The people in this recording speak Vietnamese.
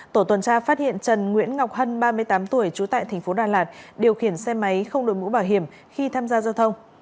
tổ tuần tra phát hiện trần nguyễn ngọc hân ba mươi tám tuổi trú tại tp đà lạt điều khiển xe máy không đổi mũ bảo hiểm khi tham gia giao thông